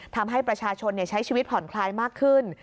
ทำให้ประชาชนใช้ชีวิตผ่อนคลายมากขึ้น